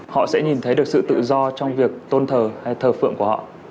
họ sẽ nhìn thấy được sự tự do trong việc tôn thờ hay thờ phượng của họ